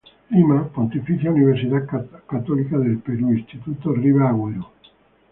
Lima: Pontificia Universidad Católica del Perú, Instituto Riva-Agüero.